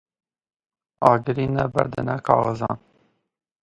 Agirî ne berdine kaxizan.